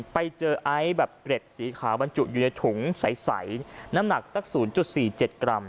ไปเจอไอ้แบบเกล็ดสีขาวบรรจุอยู่ในถุงใสน้ำหนักสักศูนย์จุดสี่เจ็ดกรัม